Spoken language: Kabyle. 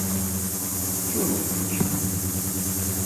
Ttunefk.